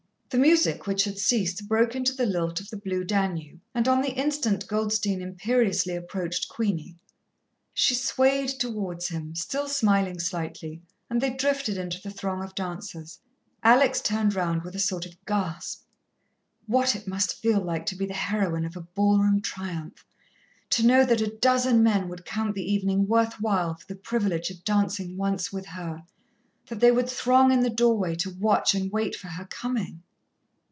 The music, which had ceased, broke into the lilt of the Blue Danube, and on the instant Goldstein imperiously approached Queenie. She swayed towards him, still smiling slightly, and they drifted into the throng of dancers. Alex turned round with a sort of gasp. What must it feel like to be the heroine of a ballroom triumph, to know that a dozen men would count the evening worth while for the privilege of dancing once with her, that they would throng in the doorway to watch and wait for her coming?